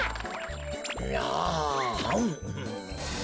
あん。